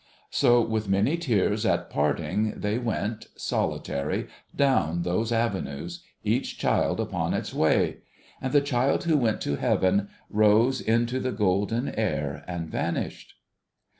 ' So, with many tears at parting, they went, solitary, down those avenues, each child upon its way ; and the child who went to Heaven, rose into the golden air and vanished.